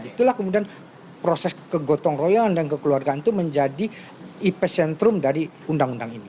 itulah kemudian proses kegotong royongan dan kekeluargaan itu menjadi ipesentrum dari undang undang ini